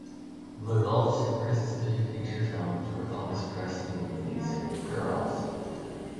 LeGault's first three feature films were Elvis Presley movies, Girls!